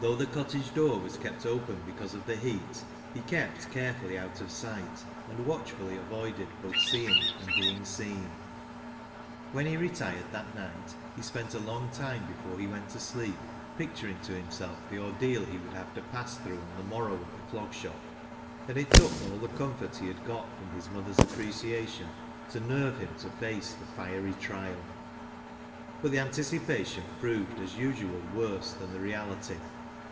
Though the cottage door was kept open because of the heat, he kept carefully out of sight, and watchfully avoided both seeing and being seen. When he retired that night, he spent a long time before he went to sleep picturing to himself the ordeal he would have to pass through on the morrow at the Clog Shop, and it took all the comfort he had got from his mother's appreciation to nerve him to face the fiery trial. But the anticipation proved as usual worse than the reality.